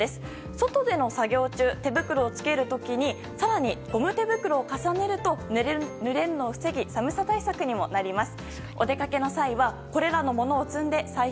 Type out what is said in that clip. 外での作業中、手袋をつける時に更にゴム手袋を重ねるとぬれるのを防ぎ寒さ対策にもなります。